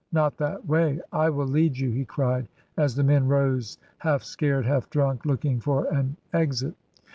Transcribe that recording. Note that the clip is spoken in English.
not that way! I will lead you," he cried, as the men rose half scared, half drunk, looking for an exit.